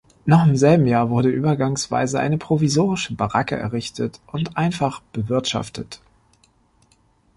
Noch im selben Jahr wurde übergangsweise eine provisorische Baracke errichtet und einfach bewirtschaftet.